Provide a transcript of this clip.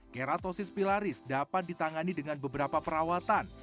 keratosis pilaris dapat ditangani dengan beberapa perawatan